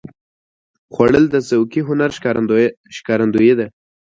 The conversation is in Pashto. خوړل د ذوقي هنر ښکارندویي ده